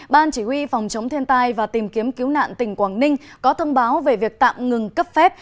ban chỉ huy phòng chống thiên tai và tìm kiếm cứu nạn tỉnh quảng ninh có thông báo về việc tạm ngừng cấp phép